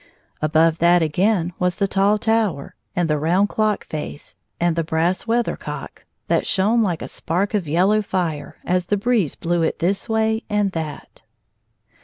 Above that, again, was the tall tower, and the round clock face, and the brass weather cock, that shone like a spark of yellow fire as the breeze blew it this way and that.